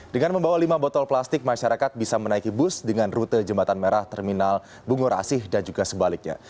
dengan membawa lima botol plastik masyarakat bisa menaiki bus dengan rute jembatan merah terminal bungora asih dan juga sebaliknya